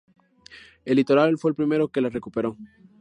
El litoral fue el primero que la recuperó.